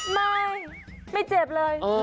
ไม่ไม่เจ็บเลย